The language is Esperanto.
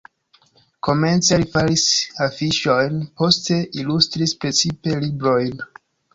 Komence li faris afiŝojn, poste ilustris precipe librojn.